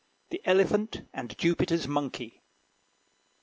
THE ELEPHANT AND JUPITER'S MONKEY.